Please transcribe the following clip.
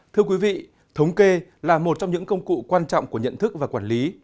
thưa quý vị thống kê là một trong những công cụ quan trọng của nhận thức và quản lý